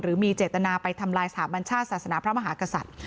หรือมีเจตนาไปทำลายสถาบัญชาติศาสนาพระมหากษัตริย์